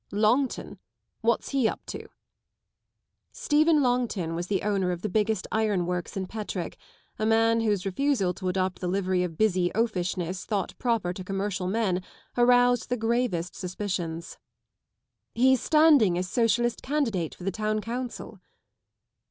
Longton? What's he up to? " Stephen Longton was the owner of the biggest iron works in Petrick, a man whose refusal to adopt the livery of busy oafishness thought proper to commercial men aroused the gravest suspicions. " He's standing as Socialist candidate for the town council."